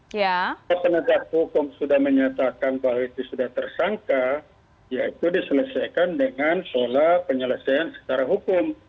kalau penegak hukum sudah menyatakan bahwa itu sudah tersangka ya itu diselesaikan dengan pola penyelesaian secara hukum